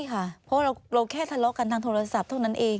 เราแค่ทะเลาะกันทางโทรศัพท์เท่านั้นเอง